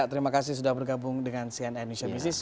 terima kasih sudah bergabung dengan cnn indonesia business